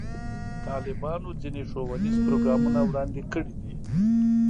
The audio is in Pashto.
طالبانو ځینې ښوونیز پروګرامونه وړاندې کړي دي.